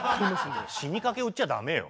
死にかけ売っちゃ駄目よ。